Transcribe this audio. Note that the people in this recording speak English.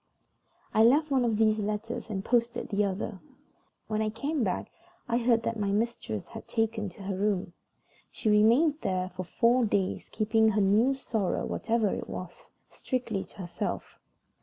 I left one of these letters and posted the other. When I came back I heard that my mistress had taken to her room. She remained there for four days, keeping her new sorrow, whatever it was, strictly to herself.